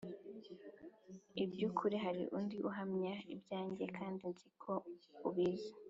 iby ukuri Hari undi uhamya ibyanjye kandi nzi ko ubizi